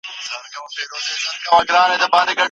که رڼا وي، په ګڼ ډګر کي به مړ سړی او ږیره ښکاره سي.